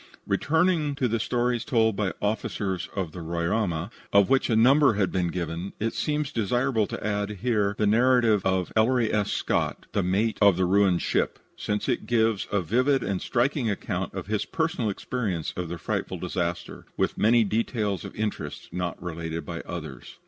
Returning to the stories told by officers of the Roraima, of which a number have been given, it seems desirable to add here the narrative of Ellery S. Scott, the mate of the ruined ship, since it gives a vivid and striking account of his personal experience of the frightful disaster, with many details of interest not related by others.